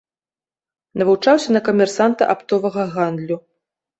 Навучаўся на камерсанта аптовага гандлю.